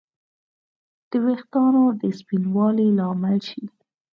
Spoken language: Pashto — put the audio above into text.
د ویښتانو د سپینوالي لامل شي